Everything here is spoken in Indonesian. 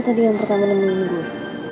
lo tadi yang pertama lingguin gue